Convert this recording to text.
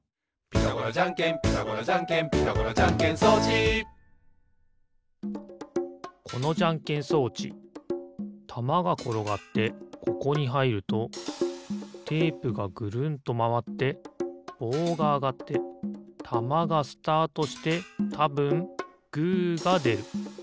「ピタゴラじゃんけんピタゴラじゃんけん」「ピタゴラじゃんけん装置」このじゃんけん装置たまがころがってここにはいるとテープがぐるんとまわってぼうがあがってたまがスタートしてたぶんグーがでる。